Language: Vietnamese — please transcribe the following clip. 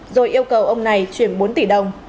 rồi yêu cầu ông này chuyển bốn tỷ đồng